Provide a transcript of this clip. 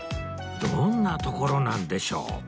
どんな所なんでしょう？